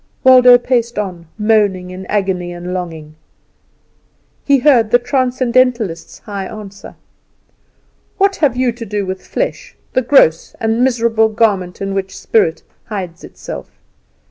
Waldo paced on, moaning in agony and longing. He heard the Transcendentalist's high answer. "What have you to do with flesh, the gross and miserable garment in which spirit hides itself?